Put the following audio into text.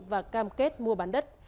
và cam kết mua bán đất